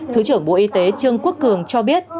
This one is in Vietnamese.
thứ trưởng bộ y tế trương quốc cường cho biết